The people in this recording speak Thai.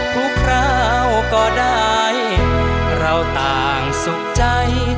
คราวก็ได้เราต่างสุขใจ